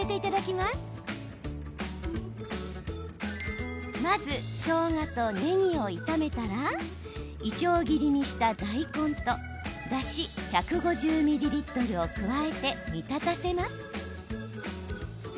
まず、しょうがとねぎを炒めたらいちょう切りにした大根とだし１５０ミリリットルを加えて煮立たせます。